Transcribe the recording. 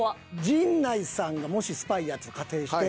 陣内さんがもしスパイやと仮定して。